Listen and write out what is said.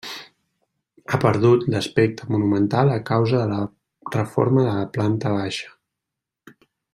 Ha perdut l'aspecte monumental a causa de la reforma de la planta baixa.